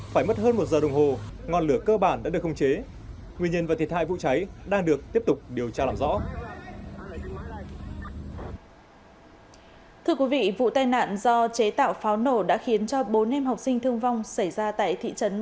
phải mất hơn một giờ đồng hồ ngọn lửa cơ bản đã được khống chế